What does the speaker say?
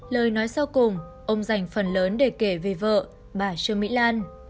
lời nói sau cùng ông dành phần lớn để kể về vợ bà trương mỹ lan